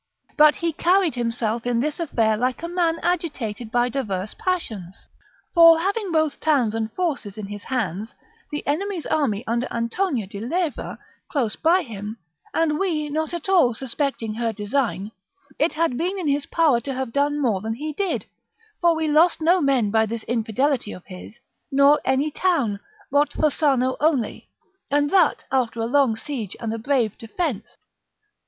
But he carried himself in this affair like a man agitated by divers passions; for having both towns and forces in his hands, the enemy's army under Antonio de Leyva close by him, and we not at all suspecting his design, it had been in his power to have done more than he did; for we lost no men by this infidelity of his, nor any town, but Fossano only, and that after a long siege and a brave defence.